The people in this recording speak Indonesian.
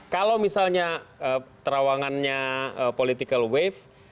kalau misalnya terawangannya politik alert